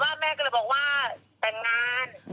มาบอกว่าแม่ก็เลยบอกว่าแต่งงาน